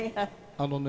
あのね